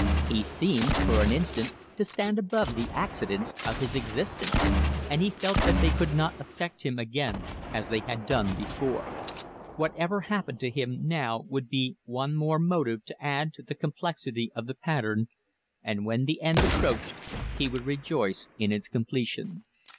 He seemed for an instant to stand above the accidents of his existence, and he felt that they could not affect him again as they had done before. Whatever happened to him now would be one more motive to add to the complexity of the pattern, and when the end approached he would rejoice in its completion.